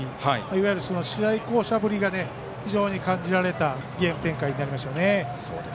いわゆる試合巧者ぶりが非常に感じられたゲーム展開になりましたよね。